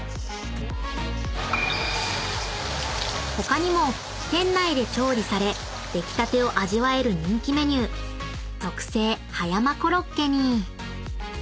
［他にも店内で調理され出来たてを味わえる人気メニュー特製葉山コロッケに］